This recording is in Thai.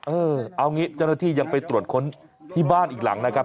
เออเอางี้เจ้าหน้าที่ยังไปตรวจค้นที่บ้านอีกหลังนะครับ